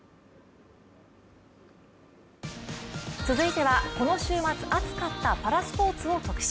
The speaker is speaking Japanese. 続いてはこの週末熱かったパラスポーツを特集。